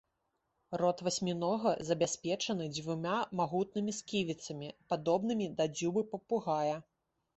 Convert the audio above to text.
Рот васьмінога забяспечаны дзвюма магутнымі сківіцамі, падобнымі да дзюбы папугая.